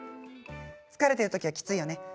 疲れているときはきついよね。